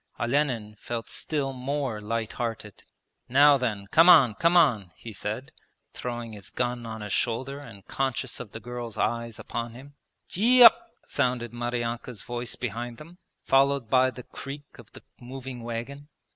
Olenin felt still more light hearted. 'Now then, come on, come on,' he said, throwing his gun on his shoulder and conscious of the girl's eyes upon him. 'Gee up!' sounded Maryanka's voice behind them, followed by the creak of the moving wagon.